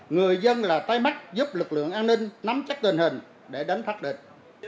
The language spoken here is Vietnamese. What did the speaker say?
người dân là tay mắt giúp lực lượng an ninh nắm chắc tình hình để đánh phát địch